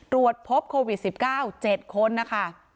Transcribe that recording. ตรวจพบโควิดสิบเก้าเจ็ดคนนะคะ